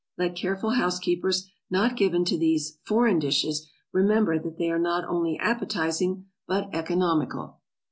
Let careful housekeepers not given to these "foreign dishes" remember that they are not only appetizing but economical.